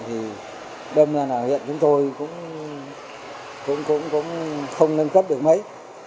thì đâm ra là hiện chúng tôi cũng không nâng cấp được mấy